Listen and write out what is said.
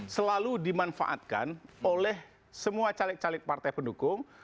selalu dimanfaatkan oleh semua caleg caleg partai pendukung